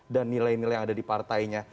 dan nilai nilai yang ada di partainya